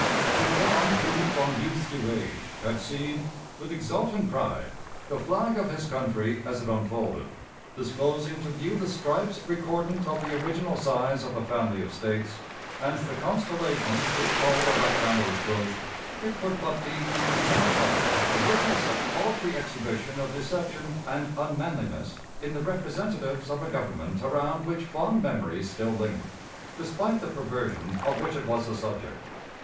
To one who from youth to age had seen, with exultant pride, the flag of his country as it unfolded, disclosing to view the stripes recordant of the original size of the family of States, and the Constellation, which told of that family's growth, it could but be deeply mortifying to witness such paltry exhibition of deception and unmanliness in the representatives of a Government around which fond memories still linger, despite the perversion of which it was the subject.